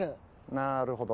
なーるほど。